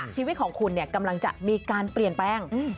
ชีวิตของคุณกำลังจะมีการเปลี่ยนแปลง